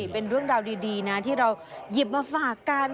เป็นเรื่องราวดีนะที่เราหยิบมาฝากกัน